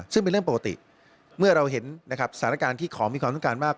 ซึ่งเป็นเรื่องปกติเมื่อเราเห็นนะครับสถานการณ์ที่ของมีความต้องการมาก